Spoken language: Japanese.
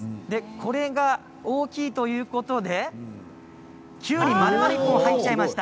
これが大きいということできゅうり、まるまる１本入っちゃいました。